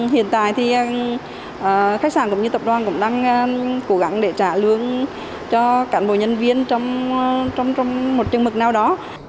hiện tại thì khách sạn cũng như tập đoàn cũng đang cố gắng để trả lương cho cán bộ nhân viên trong một chương mực nào đó